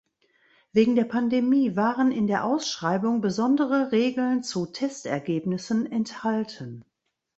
Wegen der Pandemie waren in der Ausschreibung besondere Regeln zu Testergebnissen enthalten.